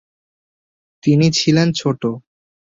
তিনি ছিলেন ছোট।